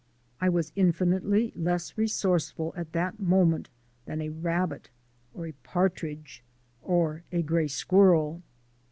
I was infinitely less resourceful at that moment than a rabbit, or a partridge, or a gray squirrel.